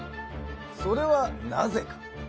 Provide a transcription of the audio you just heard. それはなぜか？